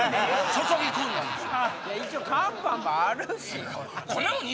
注ぎ込んだんですよ。